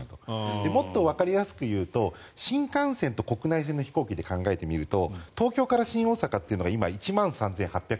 もっとわかりやすくいうと新幹線と国内線の飛行機で考えてみると東京から新大阪が今１万３８７０円と。